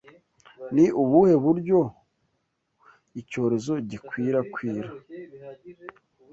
Ni ubuhe buryo icyorezo gikwira kwira?